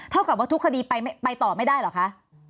เท่ากับว่าทุกคดีไปต่อไม่ได้เหรอคะ